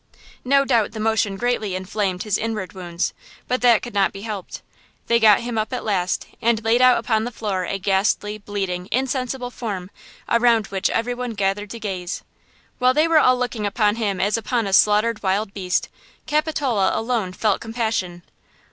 No doubt the motion greatly inflamed his inward wounds, but that could not be helped. They got him up at last, and laid out upon the floor a ghastly, bleeding, insensible form, around which every one gathered to gaze. While they were all looking upon him as upon a slaughtered wild beast, Capitola alone felt compassion.